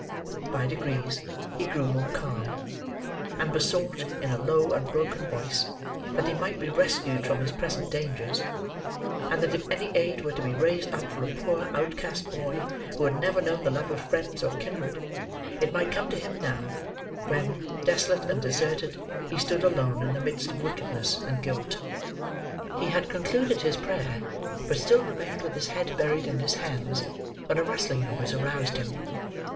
By degrees, he grew more calm, and besought, in a low and broken voice, that he might be rescued from his present dangers; and that if any aid were to be raised up for a poor outcast boy who had never known the love of friends or kindred, it might come to him now, when, desolate and deserted, he stood alone in the midst of wickedness and guilt. He had concluded his prayer, but still remained with his head buried in his hands, when a rustling noise aroused him.